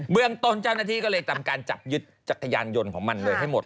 เบื้องตนเจ้าหน้าที่ก็ทำการจับยึดจักรยานยนต์ให้หมด